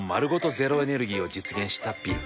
ゼロエネルギーを実現したビル。